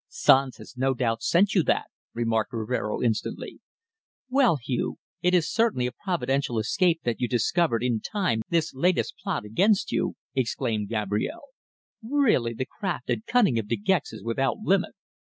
"Sanz has no doubt sent you that!" remarked Rivero instantly. "Well, Hugh, it is certainly a providential escape that you discovered in time this latest plot against you!" exclaimed Gabrielle. "Really the craft and cunning of De Gex is without limit."